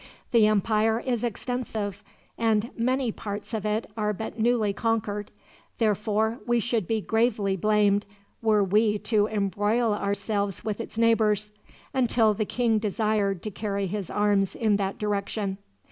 The empire is extensive, and many parts of it are but newly conquered; therefore we should be gravely blamed, were we to embroil ourselves with its neighbors, until the king desired to carry his arms in that direction.